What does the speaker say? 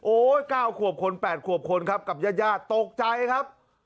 ๙ขวบคน๘ขวบคนครับกับญาติตกใจครับ